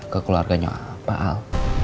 ke keluarganya pak al